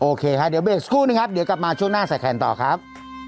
โอเคค่ะเดี๋ยวเบสคู่นะครับเดี๋ยวกลับมาช่วงหน้าแสดงแขนต่อครับ